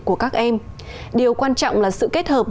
của các em điều quan trọng là sự kết hợp